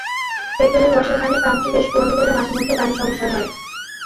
সেক্টরের ওয়াসার পানির পাম্পটি বেশ পুরোনো বলে মাঝেমধ্যেই পানির সমস্যা হয়।